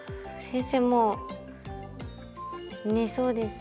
先生もう寝そうです。